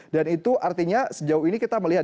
itu artinya sejauh ini kita melihat